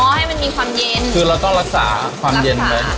อ๋อให้มันมีความเย็นคือเราต้องรักษาความเย็นเลยรักษา